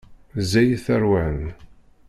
Ẓẓay-it ṛwan.